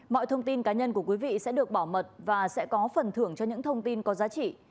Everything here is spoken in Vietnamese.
mọi thông tin cá nhân của quý vị sẽ được bảo mật và sẽ có phần thưởng cho những thông tin có giá trị